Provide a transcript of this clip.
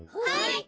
はい！